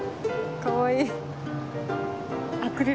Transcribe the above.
かわいい。